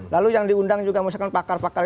lalu yang diundang juga misalkan pakar pakar